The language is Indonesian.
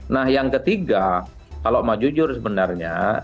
nah yang ketiga kalau mau jujur sebenarnya